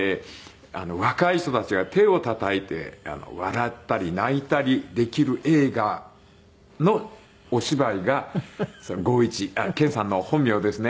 若い人たちが手をたたいて笑ったり泣いたりできる映画のお芝居が剛一健さんの本名ですね。